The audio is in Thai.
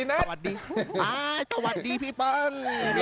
สวัสดีสวัสดีพี่ปั้น